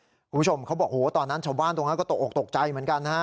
คุณผู้ชมเขาบอกโหตอนนั้นชาวบ้านตรงนั้นก็ตกออกตกใจเหมือนกันนะฮะ